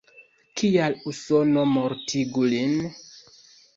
Kial Usono mortigu lin?